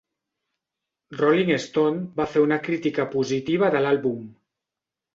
"Rolling Stone" va fer una crítica positiva de l'àlbum.